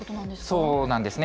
そうなんですね。